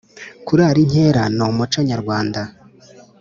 kurara inkera numuconyarwanda.